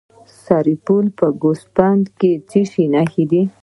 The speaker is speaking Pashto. د سرپل په ګوسفندي کې څه شی شته؟